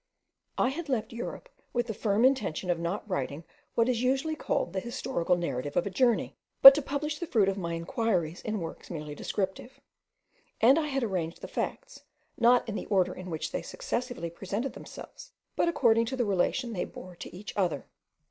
I had left Europe with the firm intention of not writing what is usually called the historical narrative of a journey, but to publish the fruit of my inquiries in works merely descriptive; and I had arranged the facts, not in the order in which they successively presented themselves, but according to the relation they bore to each other.